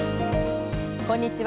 こんにちは。